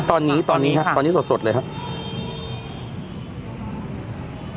ตอนนี้ตอนนี้ครับตอนนี้สดเลยครับ